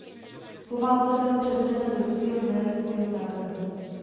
Po válce byla převezena do ruského zajateckého tábora.